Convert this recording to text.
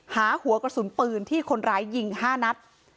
หัวกระสุนปืนที่คนร้ายยิง๕นัด